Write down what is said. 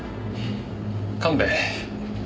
神戸。